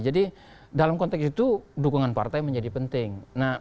jadi dalam konteks itu dukungan partai menjadi penting